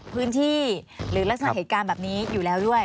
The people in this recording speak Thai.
พื้นที่หรือลักษณะเหตุการณ์แบบนี้อยู่แล้วด้วย